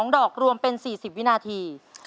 ๒ดอกรวมเป็น๔๐วินาที